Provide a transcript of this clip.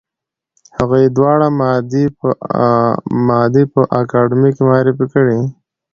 هغوی دواړه مادې په اکاډمۍ کې معرفي کړې.